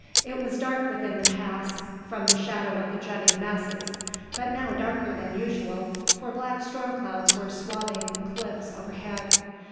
It was dark within the pass, from the shadow of the jutting masses; but now darker than usual, for black storm clouds were swathing the cliffs overhead.